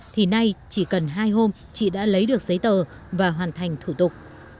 thì nay chỉ cần hai hôm chị đã lấy được giấy tờ và hoàn thành thủ tục